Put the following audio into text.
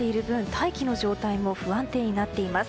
大気の状態も不安定になっています。